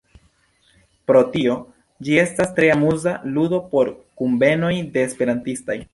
Pro tio, ĝi estas tre amuza ludo por kunvenoj de esperantistaj.